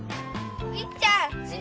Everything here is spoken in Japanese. いっちゃん。